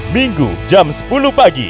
minggu jam sepuluh pagi